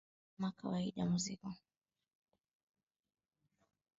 ya ma ya kawaida muziki